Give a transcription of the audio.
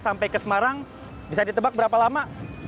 sampai ke semarang bisa ditebak berapa lama